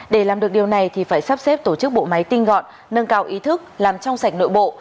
để làm được điều này thì phải sắp xếp tổ chức bộ máy tinh gọn nâng cao ý thức làm trong sạch nội bộ